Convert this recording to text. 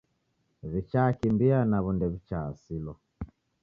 W'ichaakimbia naw'o ndew'ichaasilwa.